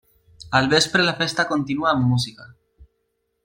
Al vespre la festa continua amb música.